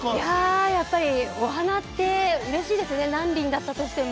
やっぱりお花って嬉しいです